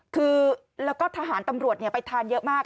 คือแล้วก็ทหารตำรวจไปทานเยอะมาก